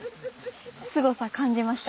すごさ感じましたか？